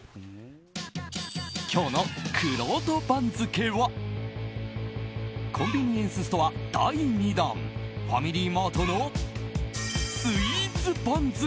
今日のくろうと番付はコンビニエンスストア第２弾ファミリーマートのスイーツ番付。